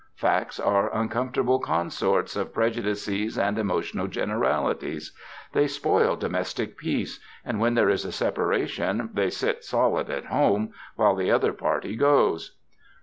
Facts are uncomfortable consorts of prejudices and emotional generalities; they spoil domestic peace, and when there is a separation they sit solid at home while the other party goes.